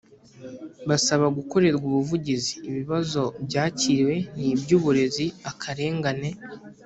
basaba gukorerwa ubuvugizi Ibibazo byakiriwe ni iby Uburezi Akarengane